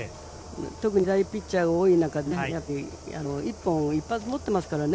特に左ピッチャーが多い中でやっぱり、一発持ってますからね。